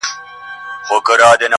هلته د ژوند تر آخري سرحده.